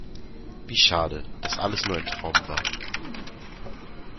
Wie schade, dass alles nur ein Traum war!